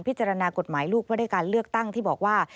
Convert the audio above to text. พิจารณากฎหมายลูกเพื่อได้การเลือกตั้งที่บอกว่า